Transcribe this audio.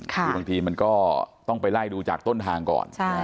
คือบางทีมันก็ต้องไปไล่ดูจากต้นทางก่อน